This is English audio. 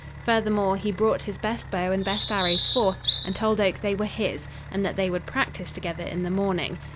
Furthermore, he brought his best bow and best arrows forth, and told Oak they were his and that they would practice together in the morning.